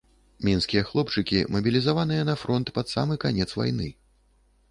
Мінскія хлопчыкі, мабілізаваныя на фронт пад самы канец вайны!